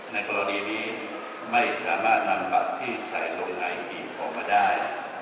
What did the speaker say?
ในกรณีนี้ไม่สามารถนำบัตรที่ใส่ลงในจีบออกมาได้